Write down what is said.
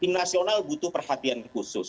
tim nasional butuh perhatian khusus